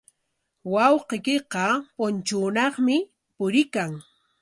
Wawqiykiqa punchuunaqmi puriykan.